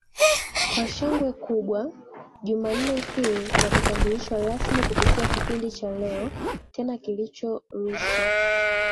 kwa shangwe kubwa Jumanne hii na kutambulishwa rasmi kupitia kipindi cha Leo Tena kilichorushwa